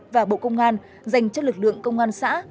và bộ công an dành cho lực lượng công an xã